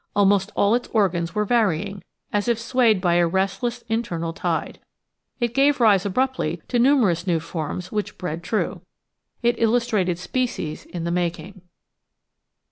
Almost all its organs were varying, as if swayed by a restless internal tide. It gave rise abruptly to numerous new forms which bred true. It illustrated species in the making.